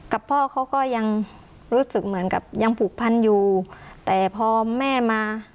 กับพ่อเขาก็ยังรู้สึกเหมือนกับยังผูกพันอยู่แต่พอแม่มา